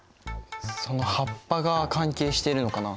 その葉っぱが関係しているのかな？